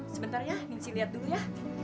sebentar ya nginci lihat dulu ya